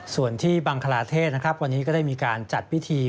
ส่วนที่บังคลาเทศนะครับวันนี้ก็ได้มีการจัดพิธี